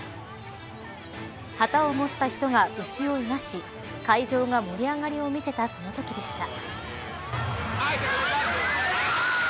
旗を持った人が牛をいなし会場が盛り上がりを見せたそのときでした。